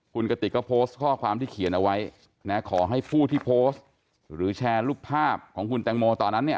คุณกติกก็โพสต์ข้อความที่เขียนเอาไว้นะขอให้ผู้ที่โพสต์หรือแชร์รูปภาพของคุณแตงโมตอนนั้นเนี่ย